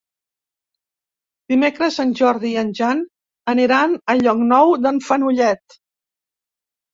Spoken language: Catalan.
Dimecres en Jordi i en Jan aniran a Llocnou d'en Fenollet.